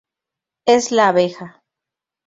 Es la abeja.